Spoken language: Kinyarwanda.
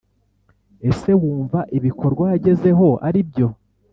ese wumva ibikorwa wagezeho, aribyo?